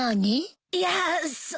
いやその。